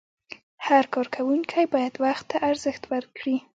هر کارکوونکی باید وخت ته ارزښت ورکړي.